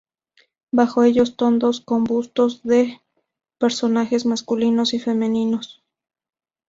Bajo ellos tondos con bustos de personajes masculinos y femeninos.